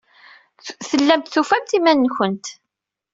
Tellamt tufamt iman-nwent.